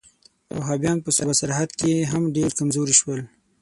وهابیان په صوبه سرحد کې هم ډېر کمزوري شول.